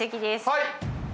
はい！